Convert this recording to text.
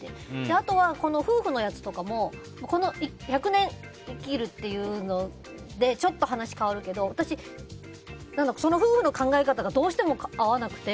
あとは夫婦のやつとかも１００年、生きるというのでちょっと話が変わるけど私、その夫婦の考え方がどうしても合わなくて。